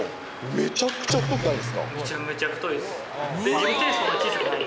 めちゃめちゃ太いです。